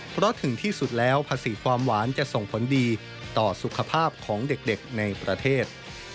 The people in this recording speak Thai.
เพราะถึงที่สุดแล้วภาษีความหวานจะส่งผลดีต่อสุขภาพของเด็กในประเทศ